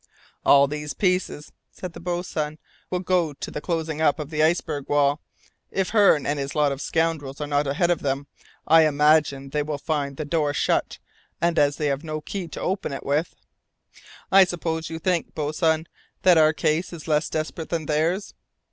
"All these pieces," said the boatswain, "will go to the closing up of the iceberg wall. If Hearne and his lot of scoundrels are not ahead of them, I imagine they will find the door shut, and as they have no key to open it with " "I suppose you think, boatswain, that our case is less desperate than theirs?"